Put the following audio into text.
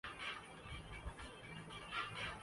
میں تبدیلی کر کے ہم رنگ آمیزی کو بھی تبدیل